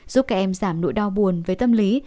giúp các em giảm nỗi đau buồn với tâm lý